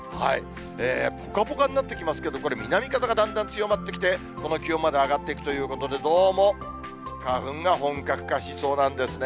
ぽかぽかになってきますけれども、これ、南風がだんだん強まってきて、この気温まで上がっていくということで、どうも花粉が本格化しそうなんですね。